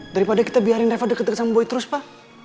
daripada kita biarin reva deket deket sama boy terus pak